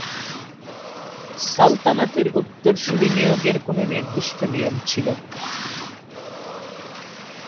সালতানাতের উত্তরসুরি নিয়োগের কোনো নির্দিষ্ট নিয়ম ছিল না।